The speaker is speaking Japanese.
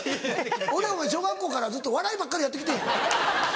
俺も小学校からずっとお笑いばっかりやって来てん。